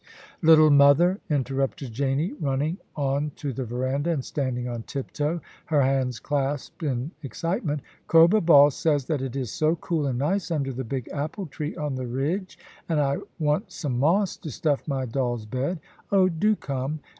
...* 'Little mother,* interrupted Janie, running on to the verandah and standing on tiptoe, her hands clasped in ex citement, * Cobra Ball says that it is so cool and nice under the big apple tree on the ridge ; and I want some moss to stuff my doirs bed. Oh, do come